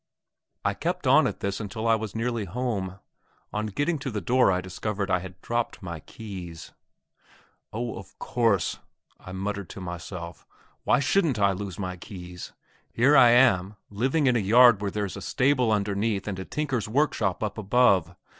I kept on at this until I was nearly home. On coming to the door I discovered I had dropped my keys. "Oh, of course," I muttered to myself, "why shouldn't I lose my keys? Here I am, living in a yard where there is a stable underneath and a tinker's workshop up above.